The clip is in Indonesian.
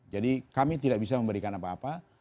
jadi kami tidak bisa memberikan apa apa